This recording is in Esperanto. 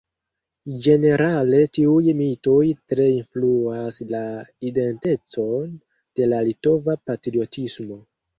Ĝenerale tiuj mitoj tre influas la identecon de la litova patriotismo.